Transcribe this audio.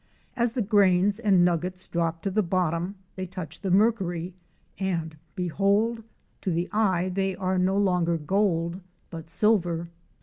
As the grains and nuggets drop to the bottom they touch the mercury and behold! to the eye they are no longer gold but silver!